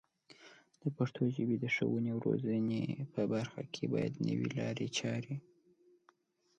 د پښتو ژبې د ښوونې او روزنې په برخه کې باید نوې لارې چارې